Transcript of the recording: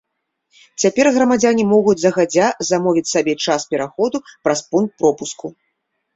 Цяпер грамадзяне могуць загадзя замовіць сабе час пераходу праз пункт пропуску.